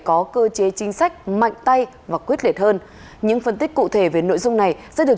có cơ chế chính sách mạnh tay và quyết liệt hơn những phân tích cụ thể về nội dung này sẽ được